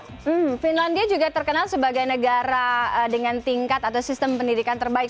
hmm finlandia juga terkenal sebagai negara dengan tingkat atau sistem pendidikan terbaik